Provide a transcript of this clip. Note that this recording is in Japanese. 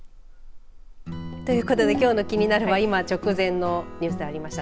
ということできょうのキニナル！は今、直前のニュースでありました